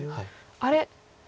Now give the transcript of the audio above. あれ？